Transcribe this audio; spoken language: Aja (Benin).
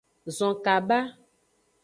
Zon kaba.